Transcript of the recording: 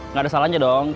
gak ada salahnya dong